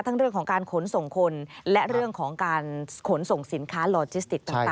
เรื่องของการขนส่งคนและเรื่องของการขนส่งสินค้าลอจิสติกต่าง